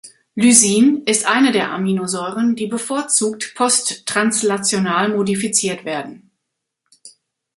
Lysin ist eine der Aminosäuren, die bevorzugt posttranslational modifiziert werden.